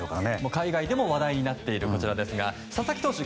海外でも話題になっているこちらですが佐々木投手